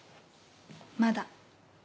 まだ。